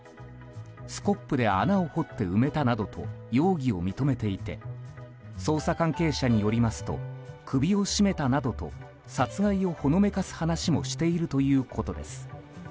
スコップで穴を掘って埋めたなどと容疑を認めていて捜査関係者によりますと首を絞めたなどと殺害をほのめかす話もしているということです。